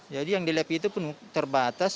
jadi yang di lab itu pun terbatas